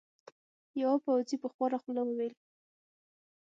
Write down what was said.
یوه پوځي په خواره خوله وویل.